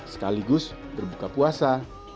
sekaligus berbuka puasa